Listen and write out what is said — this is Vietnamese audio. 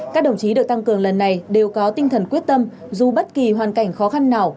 các đồng chí được tăng cường lần này đều có tinh thần quyết tâm dù bất kỳ hoàn cảnh khó khăn nào